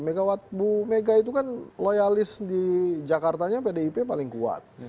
megawat bu mega itu kan loyalis di jakartanya pdip paling kuat